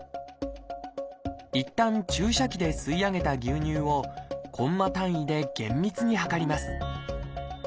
いったん注射器で吸い上げた牛乳をコンマ単位で厳密に量ります。